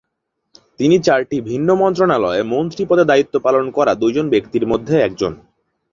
তিনি চারটি ভিন্ন মন্ত্রণালয়ে মন্ত্রী পদে দায়িত্ব পালন করা দুইজন ব্যক্তির মধ্যে একজন।